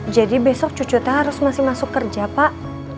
jadi besok cucu teh harus masih masuk kerja pak